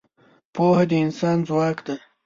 پوهه د انسان ځواک ده.